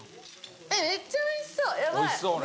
えっめっちゃおいしそう！